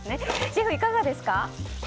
シェフ、いかがですか？